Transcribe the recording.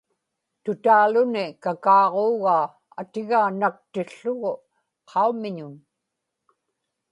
tutaaluni kakaaġuugaa atigaa naktiłługu qaumiñun